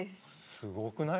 すごくない？